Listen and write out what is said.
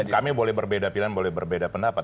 kami boleh berbeda pilihan boleh berbeda pendapat